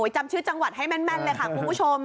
จำชื่อจังหวัดให้แม่นเลยค่ะคุณผู้ชม